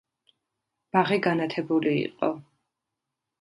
ბაღი განათებული იყო.